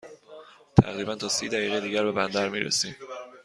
تقریباً تا سی دقیقه دیگر به بندر می رسیم.